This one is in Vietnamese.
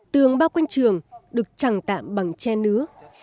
tường bao quanh trường được chẳng tạm bằng tre nứa